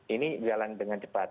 ini jalan dengan cepat